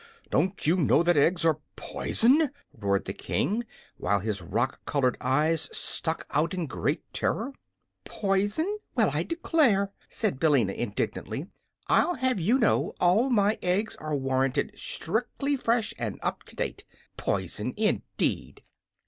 Don't you know that eggs are poison?" roared the King, while his rock colored eyes stuck out in great terror. "Poison! well, I declare," said Billina, indignantly. "I'll have you know all my eggs are warranted strictly fresh and up to date. Poison, indeed!"